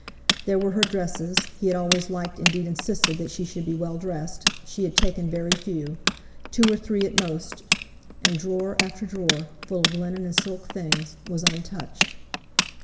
There were her dresses; he had always liked, indeed insisted, that she should be well dressed—she had taken very few; two or three at most, and drawer after drawer; full of linen and silk things, was untouched.